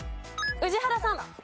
宇治原さん。